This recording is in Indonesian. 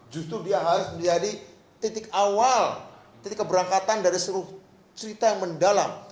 justru dia harus menjadi titik awal titik keberangkatan dari seluruh cerita yang mendalam